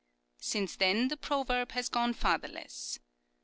Since then the proverb has gone fatherless.